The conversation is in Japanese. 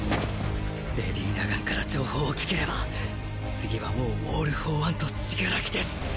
レディ・ナガンから情報を聞ければ次はもうオール・フォー・ワンと死柄木です。